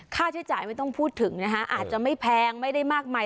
ค่าใช้จ่ายไม่ต้องพูดถึงนะคะอาจจะไม่แพงไม่ได้มากมาย